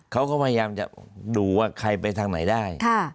เขาก็พยายามจะดูว่าใครไปทางไหนได้